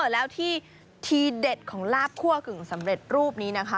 แล้วที่ทีเด็ดของลาบคั่วกึ่งสำเร็จรูปนี้นะคะ